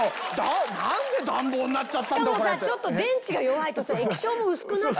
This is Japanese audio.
しかもさちょっと電池が弱いとさ液晶も薄くなっちゃってるから。